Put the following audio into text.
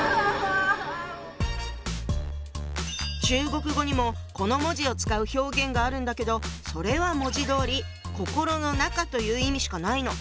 中国語にもこの文字を使う表現があるんだけどそれは文字どおり「心の中」という意味しかないの。